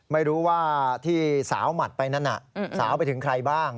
ไม่รู้ว่าที่สาวหมัดไปนั้นสาวไปถึงใครบ้าง